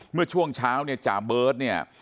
เมื่อช่วงเช้าจ่าเบิร์ต